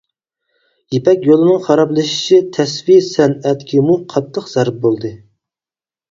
يىپەك يولىنىڭ خارابلىشىشى تەسۋى سەنئەتكىمۇ قاتتىق زەربە بولدى.